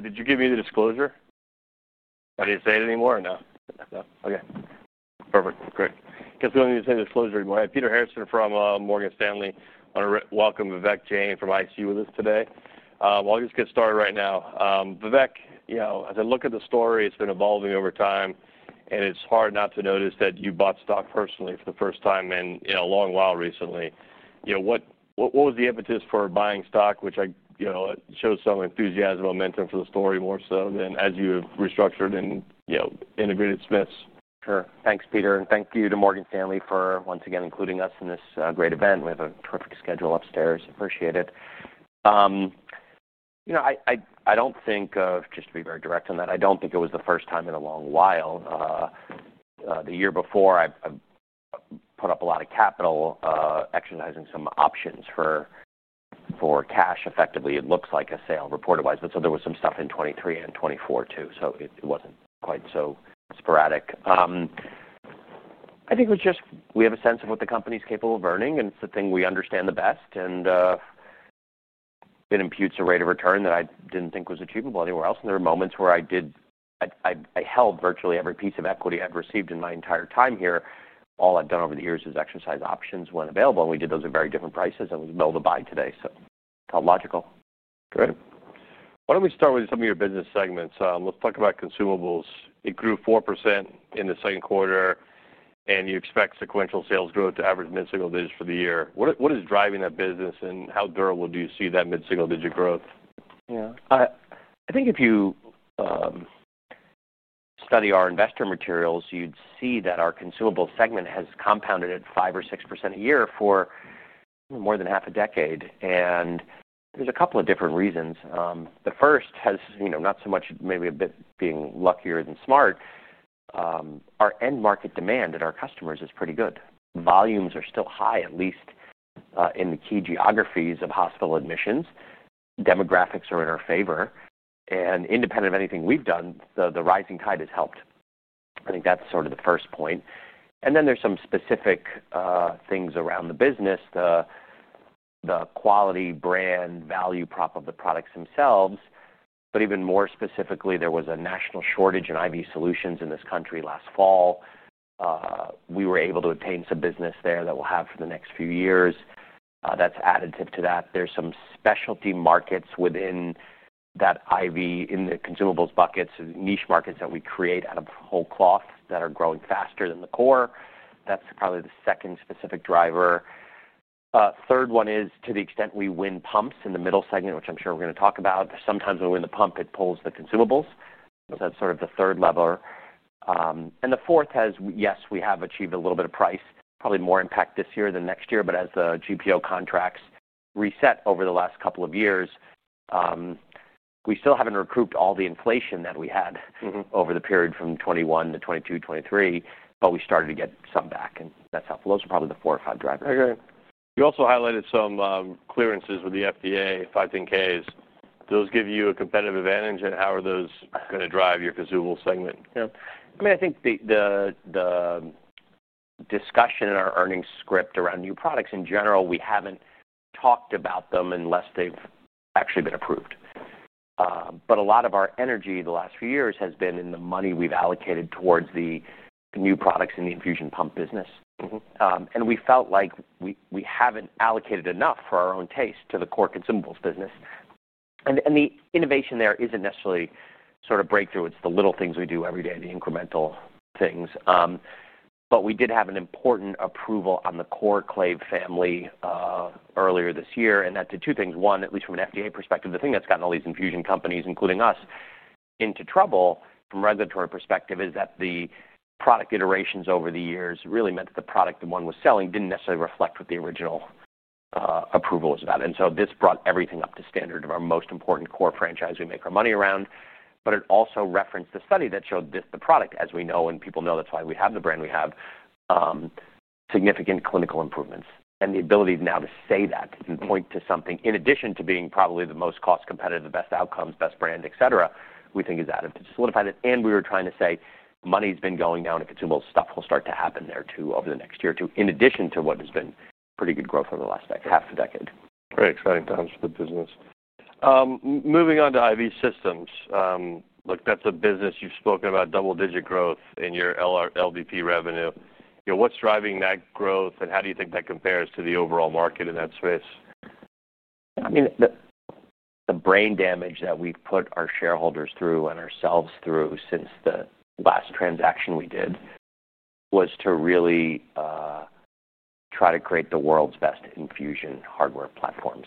Did you give me the disclosure? I didn't say it anymore? No. No. Okay. Perfect. Great. We don't need to send a disclosure anymore. I had Peter Harrison from Morgan Stanley on. We welcome Vivek Jain from ICU with us today. I'll just get started right now. Vivek, as I look at the story, it's been evolving over time. It's hard not to notice that you bought stock personally for the first time in a long while recently. What was the impetus for buying stock, which shows some enthusiasm and momentum for the story, more so than as you have restructured and integrated Smithl? Sure. Thanks, Peter. Thank you to Morgan Stanley for once again including us in this great event. We have a perfect schedule upstairs. Appreciate it. I don't think, just to be very direct on that, I don't think it was the first time in a long while. The year before, I've put up a lot of capital, exercising some options for cash effectively. It looks like a sale reported wisely. There was some stuff in 2023 and 2024 too. It wasn't quite so sporadic. I think it was just we have a sense of what the company's capable of earning, and it's the thing we understand the best. It imputes a rate of return that I didn't think was achievable anywhere else. There were moments where I did, I held virtually every piece of equity I've received in my entire time here. All I've done over the years is exercise options when available. We did those at very different prices, and it was available to buy today. It felt logical. Great. Why don't we start with some of your business segments? Let's talk about consumables. It grew 4% in the second quarter, and you expect sequential sales growth to average mid-single digits for the year. What is driving that business, and how durable do you see that mid-single digit growth? Yeah. I think if you study our investor materials, you'd see that our consumables segment has compounded at 5% or 6% a year for more than half a decade. There's a couple of different reasons. The first has, you know, not so much maybe a bit being luckier than smart. Our end-market demand at our customers is pretty good. Volumes are still high, at least in the key geographies of hospital admissions. Demographics are in our favor. Independent of anything we've done, the rising tide has helped. I think that's sort of the first point. Then there's some specific things around the business, the quality, brand, value prop of the products themselves. Even more specifically, there was a national shortage in IV solutions in this country last fall. We were able to obtain some business there that we'll have for the next few years. That's additive to that. There are some specialty markets within that IV in the consumables buckets, niche markets that we create out of whole cloth that are growing faster than the core. That's probably the second specific driver. The third one is to the extent we win pumps in the middle segment, which I'm sure we're going to talk about. Sometimes when we win the pump, it pulls the consumables. That's sort of the third lever. The fourth has, yes, we have achieved a little bit of price, probably more impact this year than next year, but as the GPO contracts reset over the last couple of years, we still haven't recouped all the inflation that we had over the period from 2021-2023, but we started to get some back. That's helpful. Those are probably the four or five drivers. Okay. You also highlighted some clearances with the FDA, 510(k)s. Do those give you a competitive advantage, and how are those going to drive your consumables segment? Yeah. I mean, I think the discussion in our earnings script around new products in general, we haven't talked about them unless they've actually been approved. A lot of our energy the last few years has been in the money we've allocated towards the new products in the infusion pump business, and we felt like we haven't allocated enough for our own taste to the core consumables business. The innovation there isn't necessarily sort of breakthrough. It's the little things we do every day, the incremental things. We did have an important approval on the core Clave family earlier this year. That did two things. One, at least from an FDA perspective, the thing that's gotten all these infusion companies, including us, into trouble from a regulatory perspective is that the product iterations over the years really meant that the product that one was selling didn't necessarily reflect what the original approval was about. This brought everything up to standard of our most important core franchise we make our money around. It also referenced the study that showed this, the product, as we know, and people know that's why we have the brand we have, significant clinical improvements. The ability now to say that and point to something in addition to being probably the most cost competitive, the best outcomes, best brand, etc., we think is additive to solidify that. We were trying to say money's been going down to consumables. Stuff will start to happen there too over the next year or two, in addition to what has been pretty good growth over the last half a decade. Very exciting times for the business. Moving on to IV systems. Look, that's a business you've spoken about double-digit growth in your LR LVP revenue. You know, what's driving that growth, and how do you think that compares to the overall market in that space? I mean, the brain damage that we've put our shareholders through and ourselves through since the last transaction we did was to really try to create the world's best infusion hardware platforms.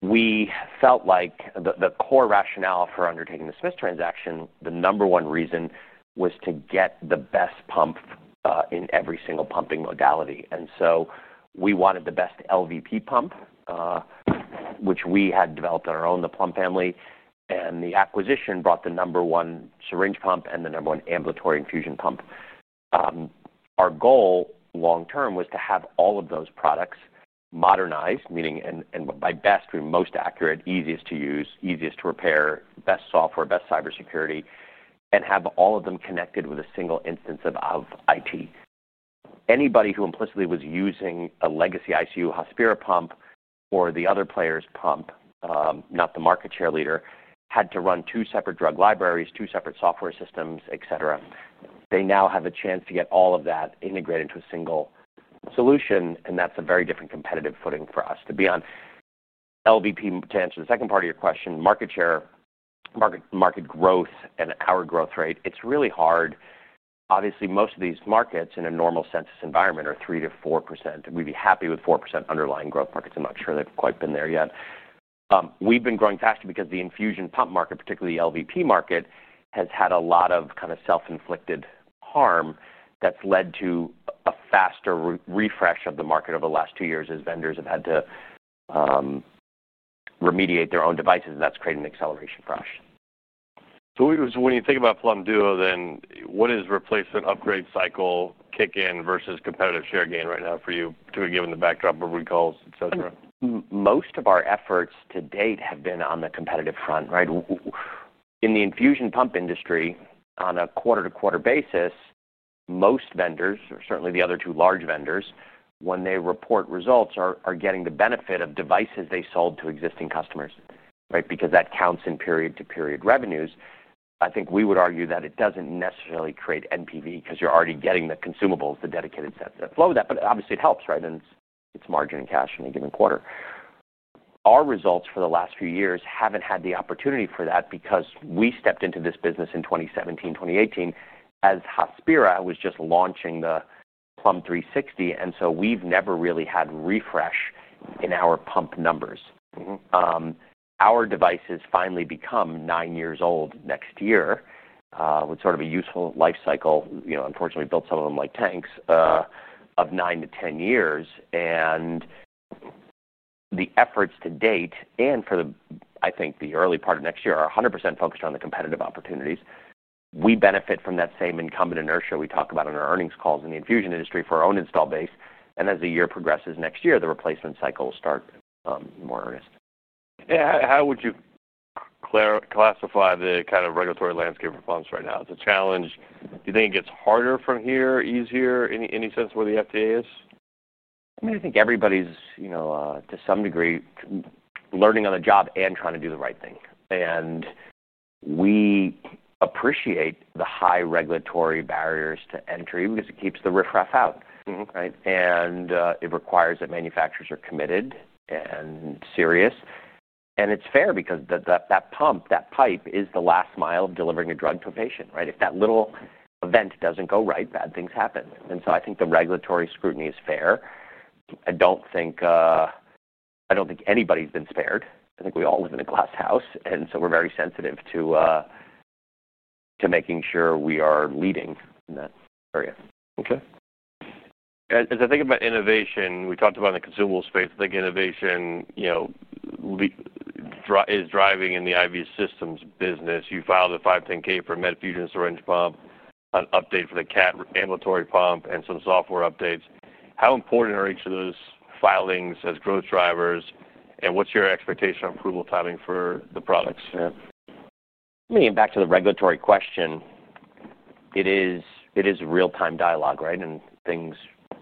We felt like the core rationale for undertaking the Smiths transaction, the number one reason was to get the best pump in every single pumping modality. We wanted the best LVP pump, which we had developed on our own, the pump family. The acquisition brought the number one syringe pump and the number one ambulatory infusion pump. Our goal long-term was to have all of those products modernized, meaning, and by best, we mean most accurate, easiest to use, easiest to repair, best software, best cybersecurity, and have all of them connected with a single instance of IT. Anybody who implicitly was using a legacy ICU Hospira pump or the other player's pump, not the market share leader, had to run two separate drug libraries, two separate software systems, etc. They now have a chance to get all of that integrated into a single solution, and that's a very different competitive footing for us. To be on LVP, to answer the second part of your question, market share, market growth, and our growth rate, it's really hard. Obviously, most of these markets in a normal census environment are 3%-4%. We'd be happy with 4% underlying growth markets. I'm not sure they've quite been there yet. We've been growing faster because the infusion pump market, particularly the LVP market, has had a lot of kind of self-inflicted harm that's led to a faster refresh of the market over the last two years as vendors have had to remediate their own devices. That's created an acceleration crash. When you think about Plum Duo, then what does replacement upgrade cycle kick in versus competitive share gain right now for you, given the backdrop of recalls, etc.? Most of our efforts to date have been on the competitive front, right? In the infusion pump industry, on a quarter-to-quarter basis, most vendors, certainly the other two large vendors, when they report results, are getting the benefit of devices they sold to existing customers, right? Because that counts in period-to-period revenues. I think we would argue that it doesn't necessarily create NPV because you're already getting the consumables, the dedicated set, that flow of that. Obviously, it helps, right? It's margin and cash in a given quarter. Our results for the last few years haven't had the opportunity for that because we stepped into this business in 2017, 2018, as Hospira was just launching the Plum 360. We've never really had refresh in our pump numbers. Our devices finally become nine years old next year, with sort of a useful life cycle. Unfortunately, we built some of them like tanks, of nine to ten years. The efforts to date and for, I think, the early part of next year are 100% focused on the competitive opportunities. We benefit from that same incumbent inertia we talk about in our earnings calls in the infusion industry for our own install base. As the year progresses next year, the replacement cycle will start in more areas. How would you classify the kind of regulatory landscape for pumps right now? Is it a challenge? Do you think it gets harder from here, easier, any sense of where the FDA is? I mean, I think everybody's, you know, to some degree, learning on the job and trying to do the right thing. We appreciate the high regulatory barriers to entry, because it keeps the riff-raff out, right? It requires that manufacturers are committed and serious. It's fair because that pump, that pipe is the last mile of delivering a drug to a patient, right? If that little event doesn't go right, bad things happen. I think the regulatory scrutiny is fair. I don't think anybody's been spared. I think we all live in a glass house, and we're very sensitive to making sure we are leading in that area. Okay. As I think about innovation, we talked about in the consumable space, I think innovation is driving in the IV systems business. You filed a 510(k) for a Medfusion syringe pump, an update for the CAD ambulatory pump, and some software updates. How important are each of those filings as growth drivers, and what's your expectation on approval timing for the products? Yeah. I mean, back to the regulatory question, it is a real-time dialogue, right?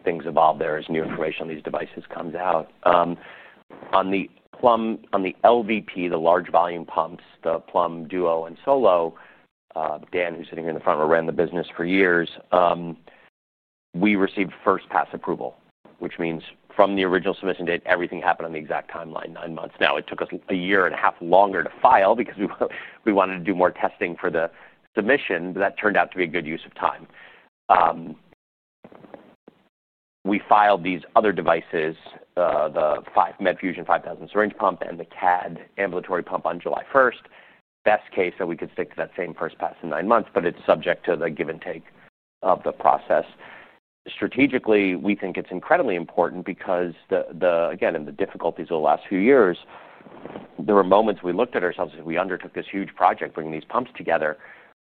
Things evolve there as new information on these devices comes out. On the Plum, on the LVP, the large volume pumps, the Plum Duo and Solo, Dan, who's sitting here in the front row, ran the business for years. We received first pass approval, which means from the original submission date, everything happened on the exact timeline, nine months. It took us a year and a half longer to file because we wanted to do more testing for the submission, but that turned out to be a good use of time. We filed these other devices, the five Medfusion 5000 syringe pump and the CAD ambulatory pump on July 1. Best case that we could stick to that same first pass in nine months, but it's subject to the give and take of the process. Strategically, we think it's incredibly important because, again, in the difficulties of the last few years, there were moments we looked at ourselves as we undertook this huge project bringing these pumps together.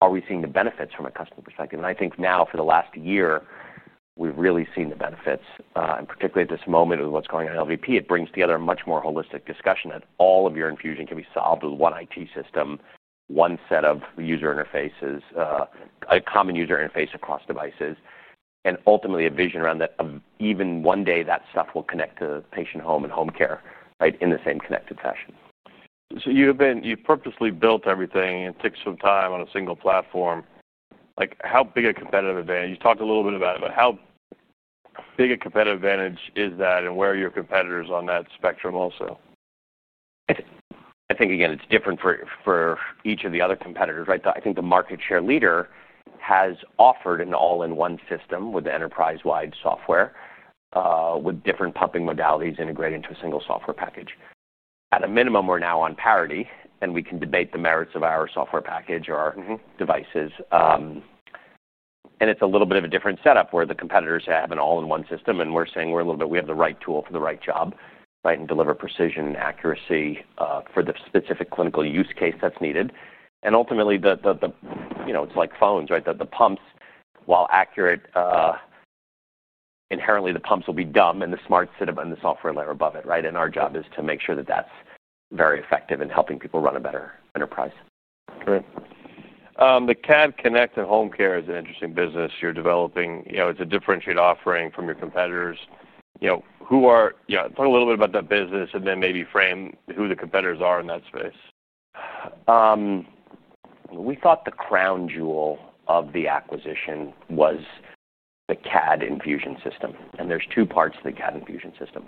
Are we seeing the benefits from a customer perspective? I think now for the last year, we've really seen the benefits, and particularly at this moment with what's going on in LVP, it brings together a much more holistic discussion that all of your infusion can be solved with one IT system, one set of user interfaces, a common user interface across devices, and ultimately a vision around that of even one day that stuff will connect to the patient home and home care, right, in the same connected fashion. You purposely built everything. It takes some time on a single platform. How big a competitive advantage is that, and where are your competitors on that spectrum also? I think, again, it's different for each of the other competitors, right? I think the market share leader has offered an all-in-one system with enterprise-wide software, with different pumping modalities integrated into a single software package. At a minimum, we're now on parity, and we can debate the merits of our software package or our devices. It's a little bit of a different setup where the competitors have an all-in-one system, and we're saying we're a little bit, we have the right tool for the right job, right, and deliver precision and accuracy for the specific clinical use case that's needed. Ultimately, it's like phones, right? The pumps, while accurate, inherently, the pumps will be dumb, and the smarts sit above the software layer above it, right? Our job is to make sure that that's very effective in helping people run a better enterprise. Right. The CAD Connect at Home Care is an interesting business you're developing. It's a differentiated offering from your competitors. Talk a little bit about that business, and then maybe frame who the competitors are in that space. We thought the crown jewel of the acquisition was the CAD infusion system. There are two parts to the CAD infusion system.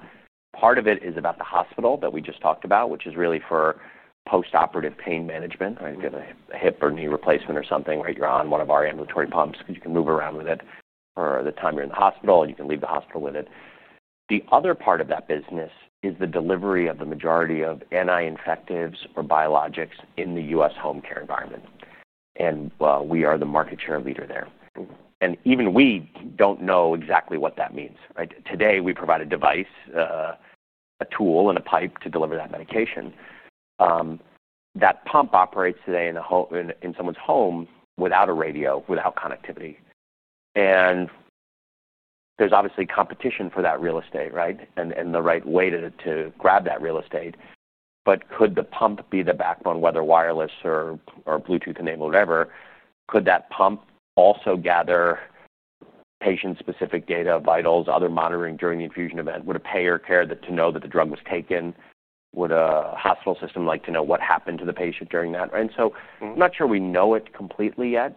Part of it is about the hospital that we just talked about, which is really for post-operative pain management, a hip or knee replacement or something, right? You're on one of our ambulatory pumps. You can move around with it for the time you're in the hospital, and you can leave the hospital with it. The other part of that business is the delivery of the majority of anti-infectives or biologics in the U.S. home care environment. We are the market share leader there. Even we don't know exactly what that means, right? Today, we provide a device, a tool, and a pipe to deliver that medication. That pump operates today in a home, in someone's home without a radio, without connectivity. There is obviously competition for that real estate, right? The right way to grab that real estate. Could the pump be the backbone, whether wireless or Bluetooth-enabled, whatever, could that pump also gather patient-specific data, vitals, other monitoring during the infusion event? Would a payer care to know that the drug was taken? Would a hospital system like to know what happened to the patient during that? I'm not sure we know it completely yet.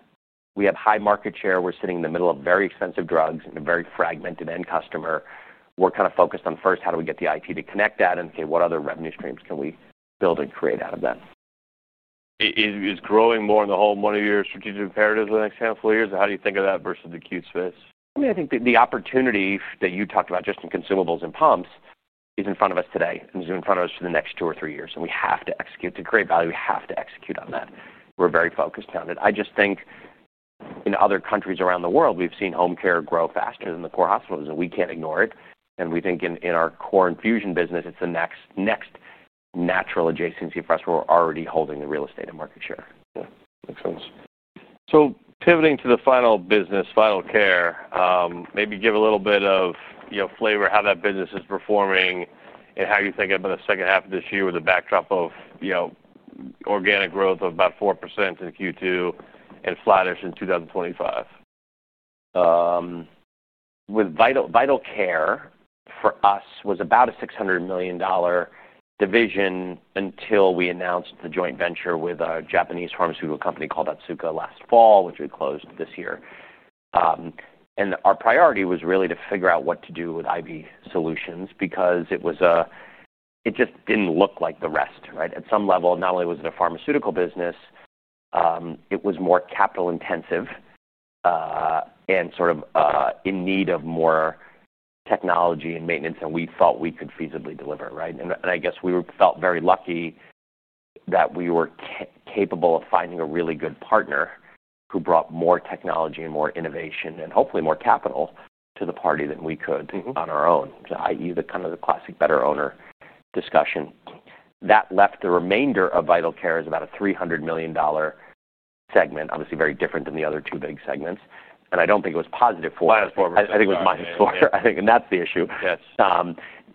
We have high market share. We're sitting in the middle of very expensive drugs and a very fragmented end customer. We're kind of focused on first how do we get the IT to connect that and say what other revenue streams can we build and create out of that. Is growing more in the home one of your strategic imperatives in the next handful of years? How do you think of that versus the acute space? I think the opportunity that you talked about just in consumables and pumps is in front of us today, and it's in front of us for the next two or three years. We have to execute. It's a great value. We have to execute on that. We're very focused on it. I think in other countries around the world, we've seen home care grow faster than the core hospitals, and we can't ignore it. We think in our core infusion business, it's the next natural adjacency for us where we're already holding the real estate and market share. Makes sense. Pivoting to the final business, Vital Care division, maybe give a little bit of, you know, flavor how that business is performing and how you think about the second half of this year with the backdrop of, you know, organic growth of about 4% in Q2 and flattish in 2025. With Vital Care, for us, was about a $600 million division until we announced the joint venture with a Japanese pharmaceutical company called Otsuka last fall, which we closed this year. Our priority was really to figure out what to do with IV solutions because it was a, it just didn't look like the rest, right? At some level, not only was it a pharmaceutical business, it was more capital intensive, and sort of in need of more technology and maintenance than we felt we could feasibly deliver, right? I guess we felt very lucky that we were capable of finding a really good partner who brought more technology and more innovation and hopefully more capital to the party than we could on our own, i.e., the kind of the classic better owner discussion. That left the remainder of Vital Care as about a $300 million segment, obviously very different than the other two big segments. I don't think it was positive for us. -4%. I think it was -4%. I think that's the issue. Yes.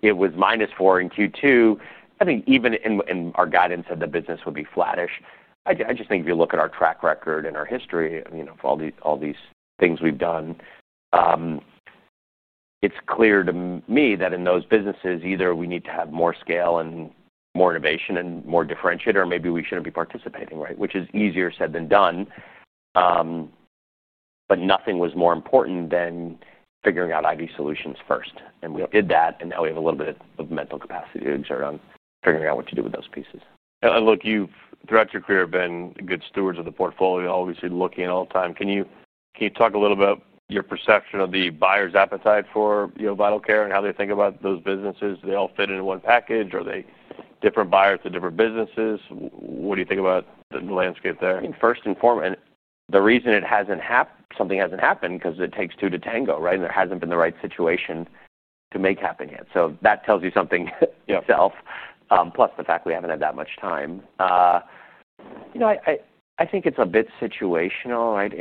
It was -4% in Q2. I think even in our guidance, the business would be flattish. I just think if you look at our track record and our history, for all these things we've done, it's clear to me that in those businesses, either we need to have more scale and more innovation and be more differentiated, or maybe we shouldn't be participating, right? Which is easier said than done. Nothing was more important than figuring out IV solutions first. We did that, and now we have a little bit of mental capacity to exert on figuring out what to do with those pieces. You've, throughout your career, been good stewards of the portfolio, obviously looking at all time. Can you talk a little bit about your perception of the buyer's appetite for Vital Care and how they think about those businesses? Do they all fit into one package? Are they different buyers to different businesses? What do you think about the landscape there? First and foremost, the reason it hasn't happened, something hasn't happened because it takes two to tango, right? There hasn't been the right situation to make happen yet. That tells you something itself, plus the fact we haven't had that much time. I think it's a bit situational, right?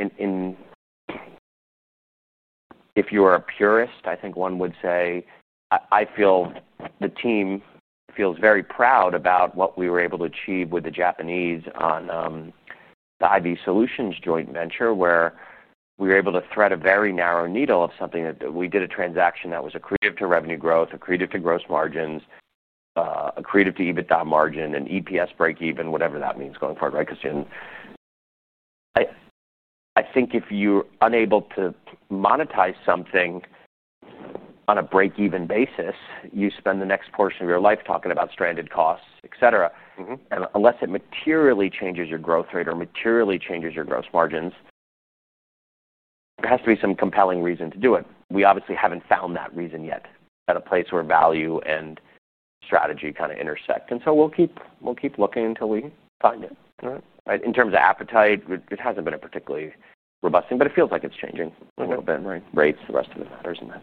If you are a purist, I think one would say the team feels very proud about what we were able to achieve with the Japanese on the IV solutions joint venture where we were able to thread a very narrow needle of something that we did, a transaction that was accretive to revenue growth, accretive to gross margins, accretive to EBITDA margin, and EPS break even, whatever that means going forward, right? Because I think if you're unable to monetize something on a break-even basis, you spend the next portion of your life talking about stranded costs, etc. Unless it materially changes your growth rate or materially changes your gross margins, there has to be some compelling reason to do it. We obviously haven't found that reason yet at a place where value and strategy kind of intersect. We'll keep looking until we find it, right. In terms of appetite, it hasn't been a particularly robust thing, but it feels like it's changing a little bit, right? Rates and the rest of it matters in that.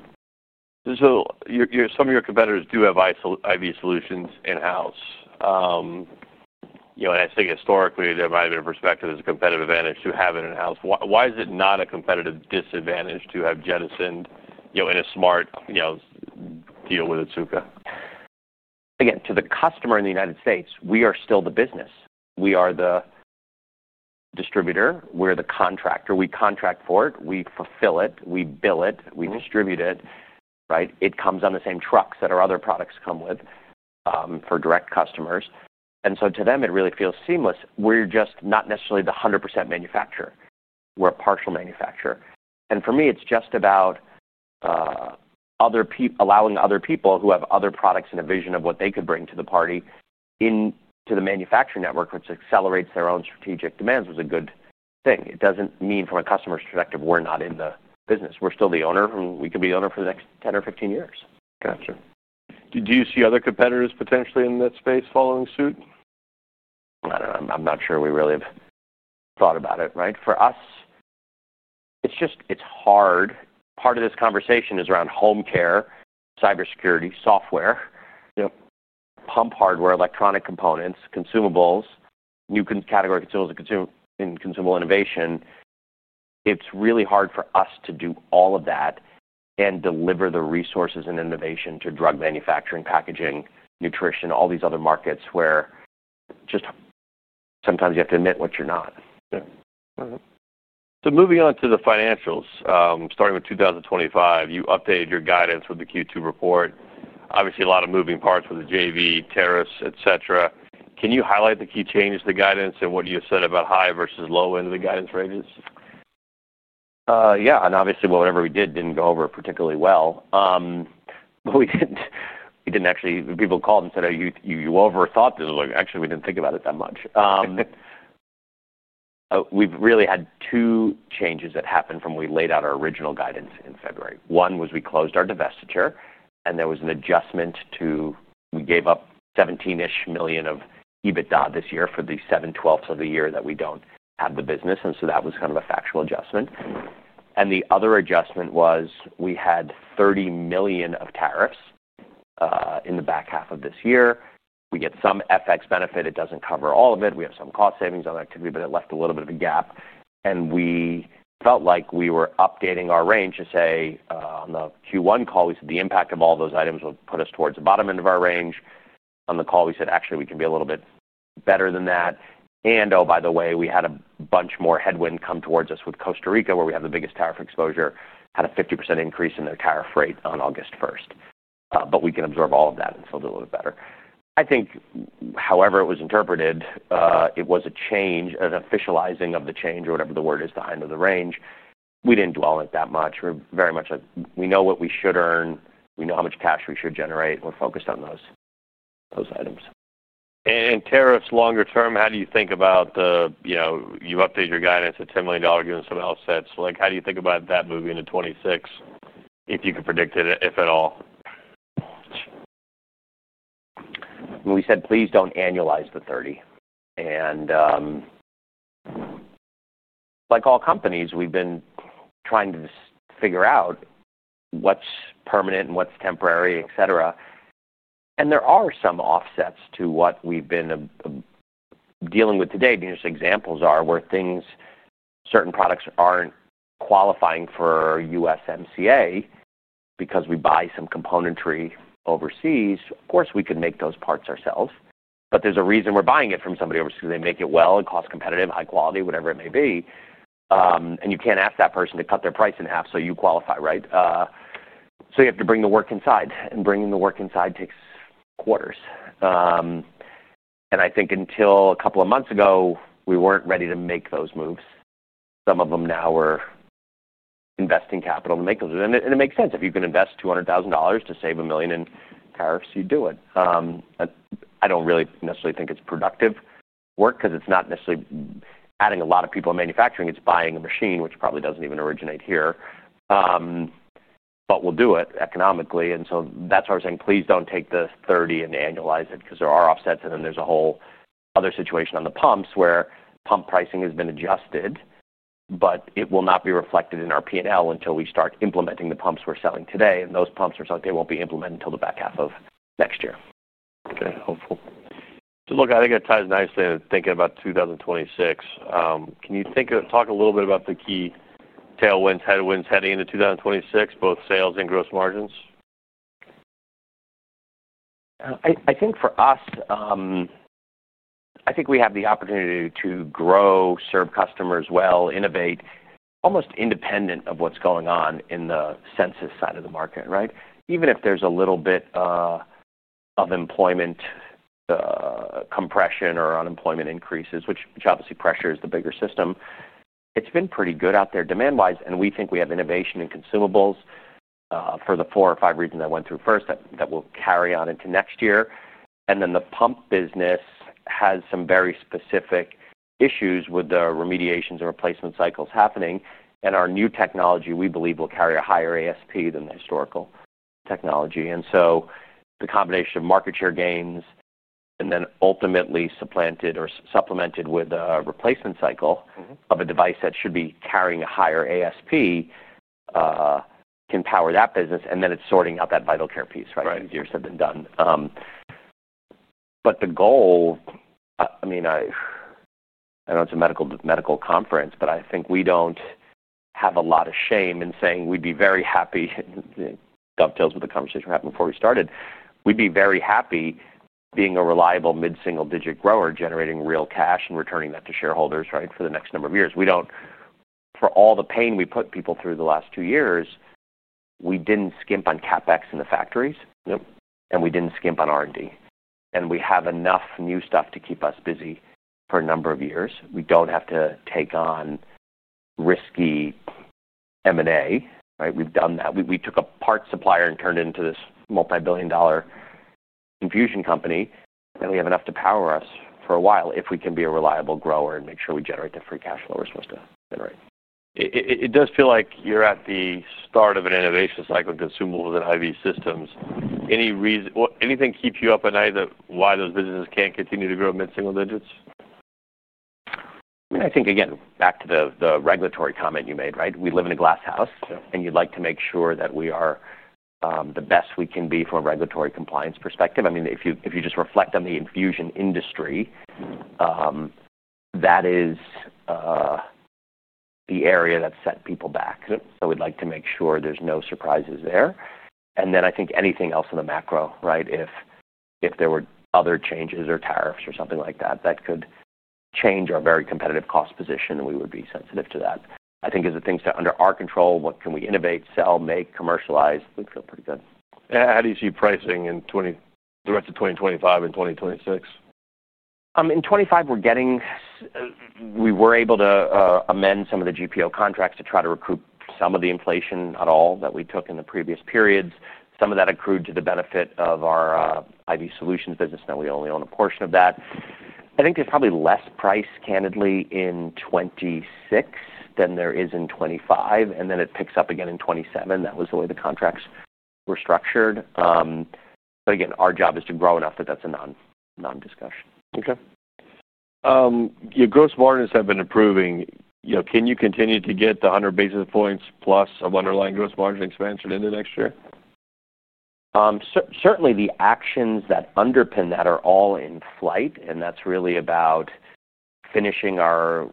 Some of your competitors do have IV solutions in-house. I think historically, there might have been a perspective as a competitive advantage to have it in-house. Why is it not a competitive disadvantage to have jettison in a smart, you know, deal with Otsuka? Again, to the customer in the U.S., we are still the business. We are the distributor. We're the contractor. We contract for it. We fulfill it. We bill it. We distribute it, right? It comes on the same trucks that our other products come with, for direct customers. To them, it really feels seamless. We're just not necessarily the 100% manufacturer. We're a partial manufacturer. For me, it's just about other people allowing other people who have other products and a vision of what they could bring to the party into the manufacturing network, which accelerates their own strategic demands, was a good thing. It doesn't mean from a customer's perspective we're not in the business. We're still the owner, and we could be the owner for the next 10 years or 15 years. Gotcha. Do you see other competitors potentially in that space following suit? I'm not sure we really have thought about it, right? For us, it's just, it's hard. Part of this conversation is around home care, cybersecurity, software, pump hardware, electronic components, consumables, new category of consumables in consumable innovation. It's really hard for us to do all of that and deliver the resources and innovation to drug manufacturing, packaging, nutrition, all these other markets where just sometimes you have to admit what you're not. Yeah. Moving on to the financials, starting with 2025, you updated your guidance with the Q2 report. Obviously, a lot of moving parts with the JV, tariffs, etc. Can you highlight the key changes to the guidance and what you said about high versus low end of the guidance ranges? Yeah. Obviously, whatever we did didn't go over it particularly well. We didn't actually, people called and said, "Oh, you, you, you overthought this." I was like, "Actually, we didn't think about it that much." We've really had two changes that happened from when we laid out our original guidance in February. One was we closed our divestiture, and there was an adjustment to we gave up $17 million of EBITDA this year for the 7/12 of the year that we don't have the business. That was kind of a factual adjustment. The other adjustment was we had $30 million of tariffs in the back half of this year. We get some FX benefit. It doesn't cover all of it. We have some cost savings on activity, but it left a little bit of a gap. We felt like we were updating our range to say, on the Q1 call, we said the impact of all those items would put us towards the bottom end of our range. On the call, we said, "Actually, we can be a little bit better than that." Oh, by the way, we had a bunch more headwind come towards us with Costa Rica, where we have the biggest tariff exposure, had a 50% increase in their tariff rate on August 1st. We can absorb all of that and still do a little bit better. I think, however it was interpreted, it was a change, an officializing of the change or whatever the word is, the end of the range. We didn't dwell on it that much. We're very much like, we know what we should earn. We know how much cash we should generate. We're focused on those items. Tariffs longer term, how do you think about the, you update your guidance at $10 million given some outsets. How do you think about that moving to 2026 if you could predict it, if at all? We said, "Please don't annualize the 30." Like all companies, we've been trying to figure out what's permanent and what's temporary, etc. There are some offsets to what we've been dealing with today. Just examples are where things, certain products aren't qualifying for USMCA because we buy some componentry overseas. Of course, we can make those parts ourselves. There's a reason we're buying it from somebody overseas. They make it well and cost-competitive, high-quality, whatever it may be. You can't ask that person to cut their price in half so you qualify, right? You have to bring the work inside. Bringing the work inside takes quarters. I think until a couple of months ago, we weren't ready to make those moves. Some of them now, we're investing capital to make those. It makes sense. If you can invest $200,000 to save $1 million in tariffs, you do it. I don't really necessarily think it's productive work because it's not necessarily adding a lot of people in manufacturing. It's buying a machine, which probably doesn't even originate here, but we'll do it economically. That's why I was saying, "Please don't take the 30 and annualize it because there are offsets." There's a whole other situation on the pumps where pump pricing has been adjusted, but it will not be reflected in our P&L until we start implementing the pumps we're selling today. Those pumps are something they won't be implemented until the back half of next year. Okay. Helpful. I think it ties nicely to thinking about 2026. Can you talk a little bit about the key tailwinds and headwinds heading into 2026, both sales and gross margins? I think for us, we have the opportunity to grow, serve customers well, innovate, almost independent of what's going on in the census side of the market, right? Even if there's a little bit of employment compression or unemployment increases, which obviously pressures the bigger system, it's been pretty good out there demand-wise. We think we have innovation in consumables, for the four or five reasons I went through first, that will carry on into next year. The pump business has some very specific issues with the remediations and replacement cycles happening. Our new technology, we believe, will carry a higher ASP than the historical technology. The combination of market share gains and ultimately supplanted or supplemented with a replacement cycle of a device that should be carrying a higher ASP can power that business. It's sorting out that Vital Care division piece, right? Right. Years have been done, but the goal, I mean, I don't know, it's a medical conference, but I think we don't have a lot of shame in saying we'd be very happy, and that dovetails with the conversation we were having before we started. We'd be very happy being a reliable mid-single digit grower, generating real cash and returning that to shareholders, right, for the next number of years. We don't, for all the pain we put people through the last two years, we didn't skimp on CapEx in the factories. Yep. We did not skimp on R&D, and we have enough new stuff to keep us busy for a number of years. We do not have to take on risky M&A, right? We have done that. We took a part supplier and turned it into this multi-billion dollar infusion company, and we have enough to power us for a while if we can be a reliable grower and make sure we generate the free cash flow we are supposed to generate. It does feel like you're at the start of an innovation cycle in consumables and IV systems. Any reason? Anything keeps you up at night that why those businesses can't continue to grow mid-single digits? I mean, I think, again, back to the regulatory comment you made, right? We live in a glass house, and you'd like to make sure that we are the best we can be from a regulatory compliance perspective. I mean, if you just reflect on the infusion industry, that is the area that's set people back. We'd like to make sure there's no surprises there. I think anything else on the macro, right? If there were other changes or tariffs or something like that, that could change our very competitive cost position, and we would be sensitive to that. I think as the things under our control, what can we innovate, sell, make, commercialize, we'd feel pretty good. How do you see pricing in the rest of 2025 and 2026? In 2025, we're getting, we were able to amend some of the GPO contracts to try to recoup some of the inflation at all that we took in the previous periods. Some of that accrued to the benefit of our IV solutions business, and we only own a portion of that. I think there's probably less price candidly in 2026 than there is in 2025, and then it picks up again in 2027. That was the way the contracts were structured. Again, our job is to grow enough that that's a non-discussion. Okay. Your gross margins have been improving. You know, can you continue to get the 100 basis points plus of underlying gross margin expansion into next year? Certainly, the actions that underpin that are all in flight, and that's really about finishing our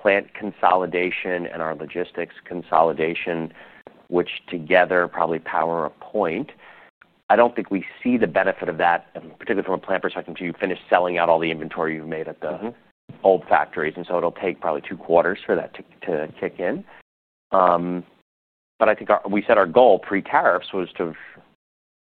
plant consolidation and our logistics consolidation, which together probably power a point. I don't think we see the benefit of that, particularly from a plant perspective, until you finish selling out all the inventory you've made at the old factories. It'll take probably two quarters for that to kick in. I think we set our goal pre-tariffs was to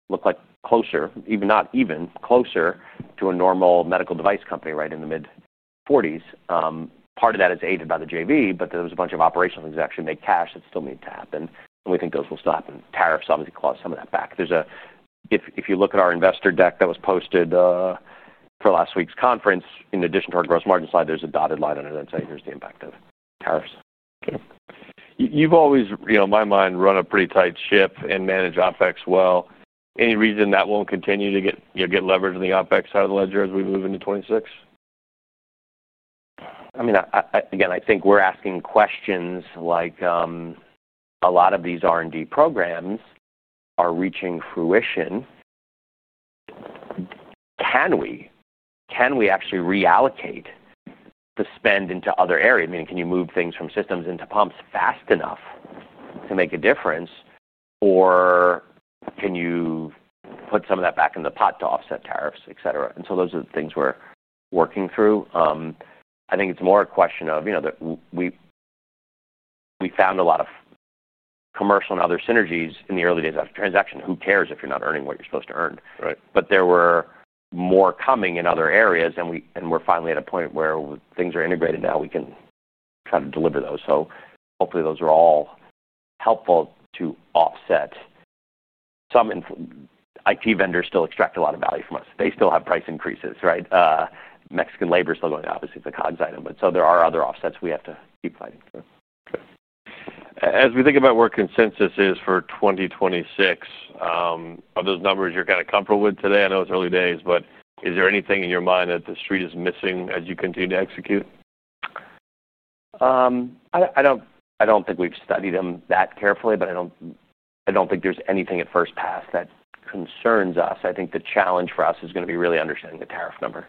look like closer, even not even closer to a normal medical device company, right, in the mid-40%. Part of that is aided by the JV, but there's a bunch of operational exceptions made cash that still need to happen. We think those will still happen. Tariffs obviously clause some of that back. If you look at our investor deck that was posted for last week's conference, in addition to our gross margin slide, there's a dotted line under that saying here's the impact of tariffs. You've always, in my mind, run a pretty tight ship and manage OpEx well. Any reason that won't continue to get leverage on the OpEx side of the ledger as we move into 2026? I think we're asking questions like, a lot of these R&D programs are reaching fruition. Can we actually reallocate the spend into other areas? Can you move things from systems into pumps fast enough to make a difference, or can you put some of that back in the pot to offset tariffs, etc.? Those are the things we're working through. I think it's more a question of, you know, that we found a lot of commercial and other synergies in the early days of transaction. Who cares if you're not earning what you're supposed to earn? Right. There were more coming in other areas, and we're finally at a point where things are integrated now. We can kind of deliver those. Hopefully, those are all helpful to offset. Some IT vendors still extract a lot of value from us. They still have price increases, right? Mexican labor is still going, obviously, it's a COGS item. There are other offsets we have to keep fighting through. As we think about where consensus is for 2026, are those numbers you're kind of comfortable with today? I know it's early days, but is there anything in your mind that the street is missing as you continue to execute? I don't think we've studied them that carefully, but I don't think there's anything at first pass that concerns us. I think the challenge for us is going to be really understanding the tariff number.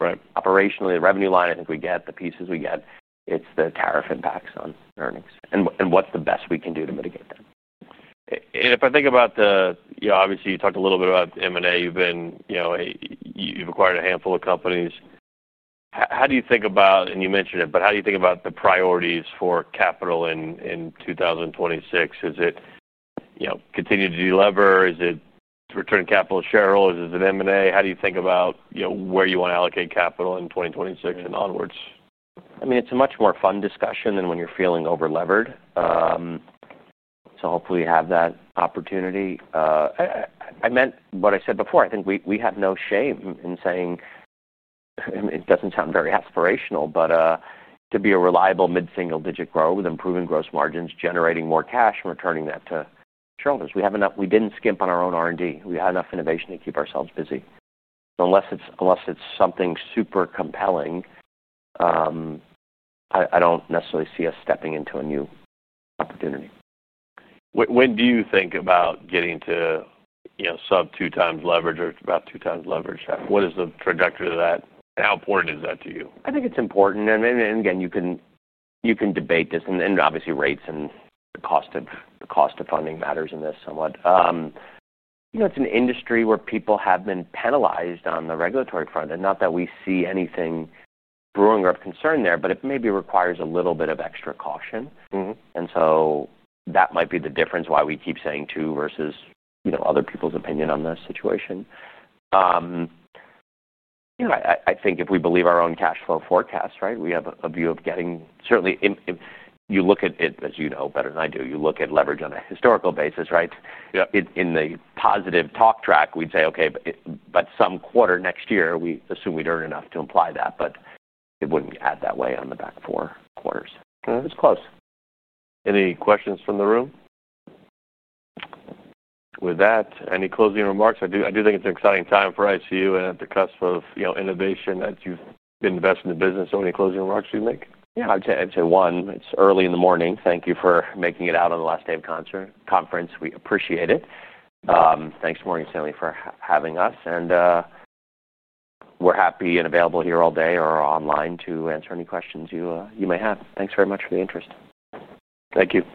Right. Operationally, the revenue line, I think we get the pieces we get. It's the tariff impacts on earnings, and what's the best we can do to mitigate that. If I think about the, you talked a little bit about M&A. You've acquired a handful of companies. How do you think about, and you mentioned it, how do you think about the priorities for capital in 2026? Is it continue to deliver? Is it return capital to shareholders? Is it M&A? How do you think about where you want to allocate capital in 2026 and onwards? I mean, it's a much more fun discussion than when you're feeling overlevered. Hopefully, you have that opportunity. I meant what I said before. I think we have no shame in saying, it doesn't sound very aspirational, but to be a reliable mid-single digit grower with improving gross margins, generating more cash, and returning that to shareholders. We have enough. We didn't skimp on our own R&D. We have enough innovation to keep ourselves busy. Unless it's something super compelling, I don't necessarily see us stepping into a new opportunity. When do you think about getting to, you know, sub 2x leverage or about 2x leverage? What is the trajectory of that, and how important is that to you? I think it's important. You can debate this. Obviously, rates and the cost of funding matters in this somewhat. It's an industry where people have been penalized on the regulatory front. Not that we see anything brewing or of concern there, but it maybe requires a little bit of extra caution. That might be the difference why we keep saying two versus other people's opinion on this situation. I think if we believe our own cash flow forecasts, we have a view of getting certainly, you look at it, as you know better than I do, you look at leverage on a historical basis, right? Yeah. In the positive talk track, we'd say, okay, some quarter next year, we assume we'd earn enough to imply that. It wouldn't add that way on the back four quarters. It's close. Any questions from the room? With that, any closing remarks? I do think it's an exciting time for ICU and at the cusp of innovation as you've been invested in the business. Any closing remarks you'd make? Yeah, I'd say one. It's early in the morning. Thank you for making it out on the last day of the conference. We appreciate it. Thank you, Morgan Stanley, for having us. We're happy and available here all day or online to answer any questions you may have. Thanks very much for the interest. Thank you.